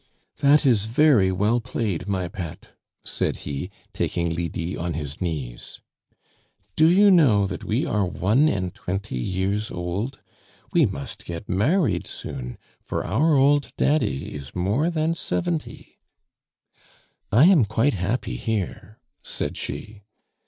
"That is very well played, my pet," said he, taking Lydie on his knees. "Do you know that we are one and twenty years old? We must get married soon, for our old daddy is more than seventy " "I am quite happy here," said she.